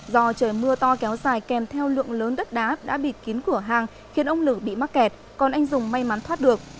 do trời mưa to kéo dài kèm theo lượng lớn đất đá đã bịt kín cửa hàng khiến ông lử bị mắc kẹt còn anh dùng may mắn thoát được